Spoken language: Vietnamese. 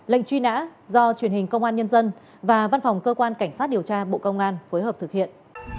lệnh truy nã do truyền hình công an nhân dân và văn phòng cơ quan cảnh sát điều tra bộ công an phối hợp thực hiện